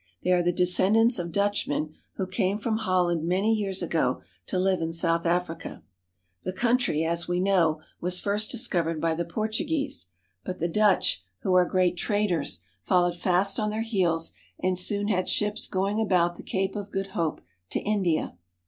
They are the descendants of Dutchmen who came from Holland many years ago to live in South Africa. The country, as we know, was first dis covered by the Portuguese ; but the Dutch, who are great CAPE COLONY traders, followed fast on their heels and soon had ships going about the Cape of Good Hope to India.